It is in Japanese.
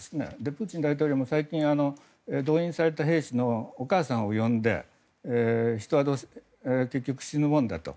プーチン大統領も最近動員された兵士のお母さんを呼んで人は結局、死ぬもんだと。